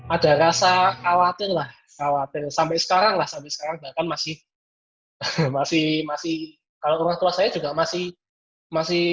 ada rasa khawatir sampai sekarang bahkan masih kalau orang tua saya juga masih